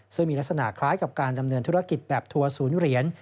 ซึ่งมีลักษณะคล้ายกับการดำเนินธุรกิจแบบทัวร์ศูนย์เหรียญ